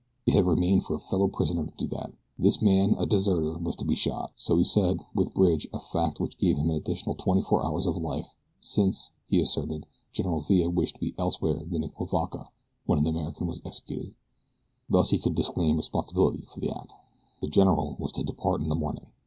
It had remained for a fellow prisoner to do that. This man, a deserter, was to be shot, so he said, with Bridge, a fact which gave him an additional twenty four hours of life, since, he asserted, General Villa wished to be elsewhere than in Cuivaca when an American was executed. Thus he could disclaim responsibility for the act. The general was to depart in the morning.